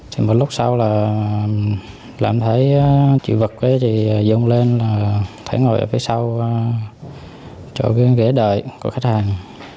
thì một lúc sau là em thấy chị vật với chị dung lên là thấy ngồi ở phía sau chỗ ghế đợi của khách hàng